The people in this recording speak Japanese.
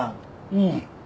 うん。